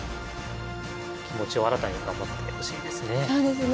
気持ちを新たに頑張ってほしいですね。